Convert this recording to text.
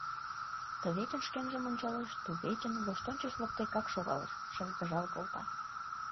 Тывечын шкенжым ончалеш, тувечын, воштончыш воктекак шогалеш, шыргыжал колта.